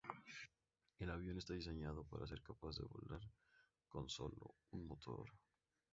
El avión está diseñado para ser capaz de volar con solo un motor.